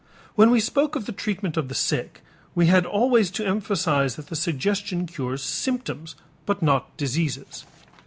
When we spoke of the treatment of the sick, we had always to emphasize that the suggestion cures symptoms but not diseases.